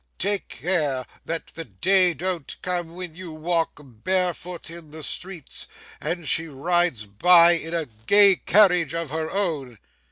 Take care that the day don't come when you walk barefoot in the streets, and she rides by in a gay carriage of her own.